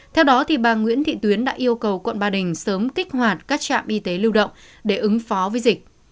theo đó bà nguyễn thị tuyến đã yêu cầu quận ba đình sớm kích hoạt các trạm y tế lưu động để ứng phó với dịch